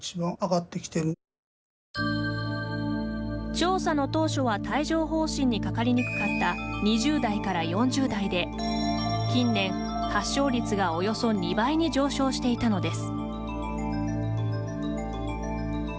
調査の当初は帯状ほう疹にかかりにくかった２０代から４０代で近年、発症率がおよそ２倍に上昇していたのです。